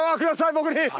僕に。